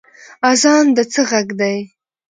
اذان د څه غږ دی؟